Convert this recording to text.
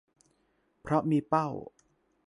เพราะมีเป้า